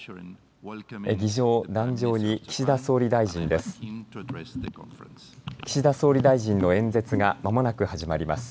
議場、壇上に岸田総理大臣です。